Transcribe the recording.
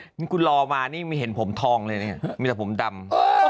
นึงคุณรอมาหนิไหมเห็นผมทองเลยนะนี่มีแต่ผมดำ